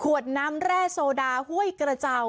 น้ำแร่โซดาห้วยกระเจ้า